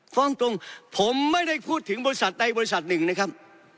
ฟ้องตรงผมไม่ได้พูดถึงบริษัทใดบริษัทหนึ่งนะครับ